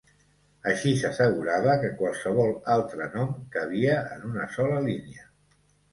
Així s'assegurava que qualsevol altre nom cabia en una sola línia.